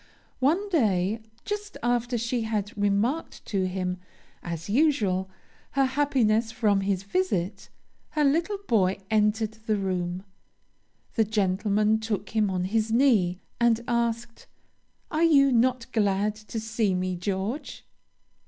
One day, just after she had remarked to him, as usual, her happiness from his visit, her little boy entered the room. The gentleman took him on his knee, and asked, 'Are you not glad to see me, George?'